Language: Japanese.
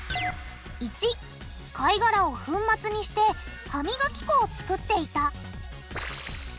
①貝がらを粉末にして歯みがき粉をつくっていた。